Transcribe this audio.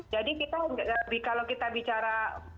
jadi kalau kita bicara